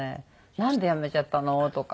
「なんでやめちゃったの？」とか。